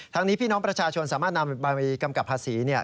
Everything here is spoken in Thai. ทั้งนี้พี่น้องประชาชนสามารถนำใบกำกับภาษี